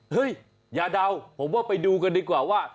อย่าเดาผมว่าไปดูกันดีกว่าว่า